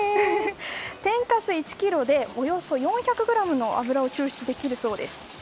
天かす１ｋｇでおよそ４００ｇの油を抽出できるそうです。